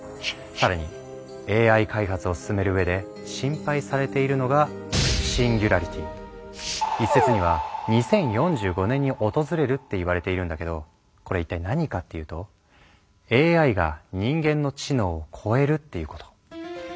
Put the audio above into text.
更にＡＩ開発を進めるうえで心配されているのが一説には２０４５年に訪れるっていわれているんだけどこれ一体何かっていうと「ＡＩが人間の知能を超える」っていうこと。